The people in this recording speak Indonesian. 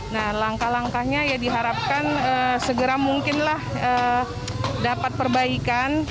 nah langkah langkahnya ya diharapkan segera mungkinlah dapat perbaikan